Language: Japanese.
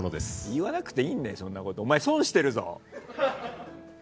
言わなくていいんだよお前損してるぞ。